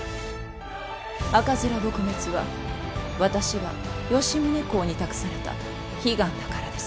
赤面撲滅は私が吉宗公に託された悲願だからです。